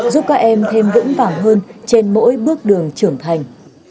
giúp các em thêm vững vàng hơn trên mỗi bước đường trưởng thành